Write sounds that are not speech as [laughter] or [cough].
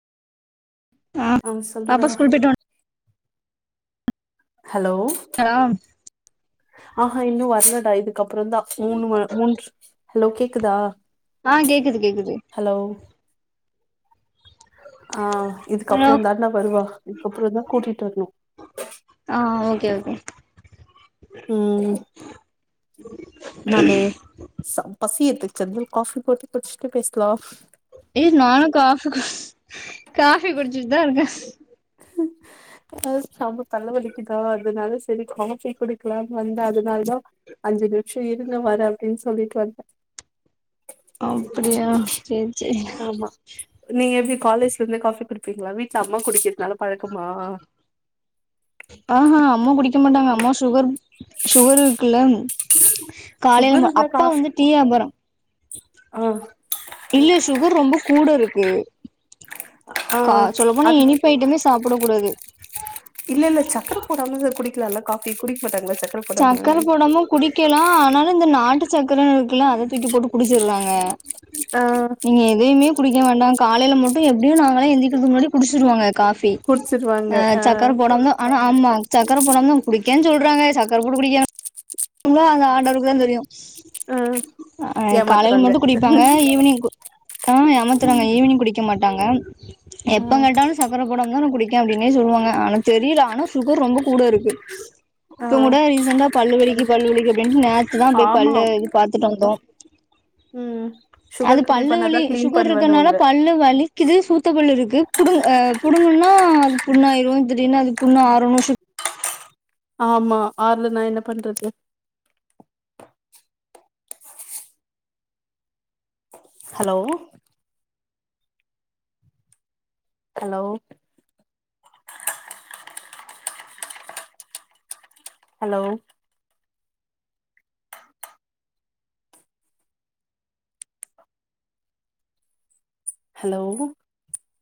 ஆ அவங் பாப்பா சொல்றதா ஸ்கூல் போயிட்டு ஹலோ வன்ட்டாளா ஆஹா இன்னு வர்ல தா இது க்கப்புறோந்தா மூணு ம மூணு சு ஹலோ கேக்குதா ஆ ஹலோ ஆ ஹலோ இதுக்கப்றோதாண்டா வருவா இதுக்கப்றோந்தா கூட்டிட்டு வரணு. ஆ ஓகே ஓகே ம் நானு ச பசியெடுத்து [unintelligible] காஃபி போட்டு குட்ச்சிட்டு பேசலா. ஏ நானு காஃபி குடிச் காஃபி குடிச்சுட்டுதா இருக்கே. ஆ செம தல வலிக்குதா அதனால செரி காஃபி குடிக்கலான்னு வந்தே அதனால்தா அஞ்சு நிமிஷோ இருங்க வரே அப்டின் சொல்லிட்டு வன்ட்டே. அப்டியா சேரி சேரி ஆமா நீங்க எப்டி காலேஜ்ல இருந்தே காஃபி குடி ப்பீங்ளா வீட்ல அம்மா குடிக்கிறதுனால பழக்கமா? ஆஹா அம்மா குடிக்க மாட்டாங்க அம்மா சுகர் சுகர் இருக்குல்ல ம் காலைல சுகர் எங்க இருந்தா அப்பா காஃபி வந்து டீ ஏபாரம் ஆ இல்ல சுகர் ரொம்ப கூட இருக்கு ஆ கா சொல்லப் போனா அது இனிப்பு ஐட்டமே சாப்ட கூடாது. இல்ல இல்ல சக்கர போடாம இது குடி க்கலா இல்ல காஃபி குடிக்க மாட்டாங் சக்கர போடாம குடிக்கலா ஆனா இந்த நாட்டு சக்கரன்னு இருக்குல்ல அத தூக்கி போட்டு குடிச்சர்றாங்க. ஆ நீங்க எதயுமே குடி யும் வேண்டா காலைல மட்டும் எப்டியோ நாங்களா எந்திக்கறதுக்கு முன்னாடியே குடிச்சிடுவாங்க காஃபி ஆ சக்கர போடாம ஆனா ஆமா சக் சக்கர போடாமதான் குடிக்கேன்னு சொல்றாங்க சக் சர் போட்டு குடிக்கிறாங்க [unintelligible] அந்த ஆண்டவருக்கு தா தெரியும் ஆ ஆ காலைல ஏமாத்துறாங்க மட்டு குடிப்பாங்க ஈவினிங் கு ஆ ஏமாத்துறாங்க ஈவினிங் குடிக்க மாட்டாங்க ம் ஆ எப்ப கேட்டாலு சக்கர போடமதான குடிக் க்கேன் அப்டின்னே சொல்லுவாங்க ஆனா தெரில ஆனா ஷுகர் ரொம்பக் கூட இருக்கு ஆ இப்பங் கூட ரீசெண்டா பல்லு வலிக்குத் பல்லு வலிக்கு அப்டின்னு நேத் த்துதான் அப்டே ஆமா பல்லு இது பாத்துட்டு வந்தோம் ம் அது சுகர் கம்மி பல்லு வலி பண்ணாதா கிளீன் ஷுகர் இருக்கதுனால பண்ணுவன்னுவாங்க பல்லு வலிக்குது சூத்தபல்லு இருக்கு புடுங் அ புடுங்குன்னா அது புண்ணாயிரு திடீர்னு அது புண்ணு ஆரனு ஷிப் ஆமா ஆறலனா என்ன பண்றது ஹலோ..... ஹலோ..... ஹலோ ஹலோ.....